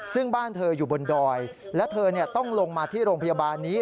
ซึ่งบ้านเธออยู่บนดอยและเธอต้องลงมาที่โรงพยาบาลนี้